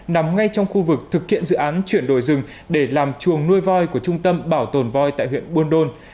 nằm ngay trong khu vực thực hiện dự án chuyển đổi rừng để làm chuồng nuôi voi của trung tâm bảo tồn voi tại huyện buôn đôn